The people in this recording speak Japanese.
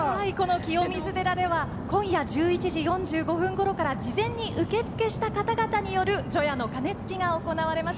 清水寺では今夜１１時４５分ごろから事前に受け付けした方々による除夜の鐘つきが行われます。